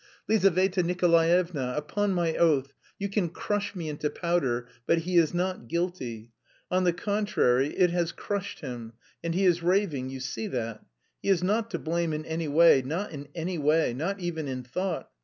"Lizaveta Nikolaevna, upon my oath, you can crush me into powder, but he is not guilty. On the contrary, it has crushed him, and he is raving, you see that. He is not to blame in any way, not in any way, not even in thought!...